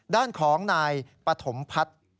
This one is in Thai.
ด้านของนายปฐมพัฒน์